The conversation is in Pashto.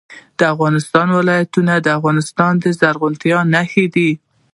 د افغانستان ولايتونه د افغانستان د زرغونتیا نښه ده.